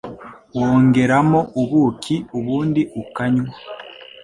wongeramo ubuki ubundi ukanywa.